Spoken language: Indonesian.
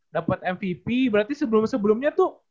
dapet mvp berarti sebelum sebelumnya tuh